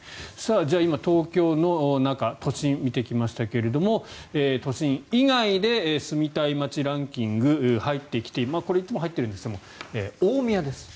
じゃあ今、東京の中都心を見ていきましたが都心以外で住みたい街ランキング入ってきているこれ、いつも入っているんですが大宮です。